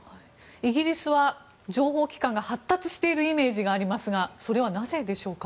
イギリスは情報機関が発達しているイメージがありますがそれはなぜでしょうか。